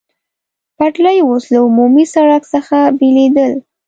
پټلۍ اوس له عمومي سړک څخه بېلېدل.